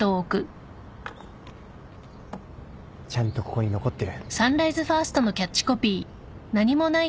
ちゃんとここに残ってる。